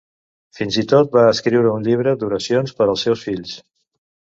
Fins i tot va escriure un llibre d'oracions per als seus fills.